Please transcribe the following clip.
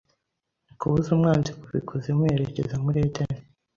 kubuza umwanzi kuva i kuzimu yerekeza muri Edeni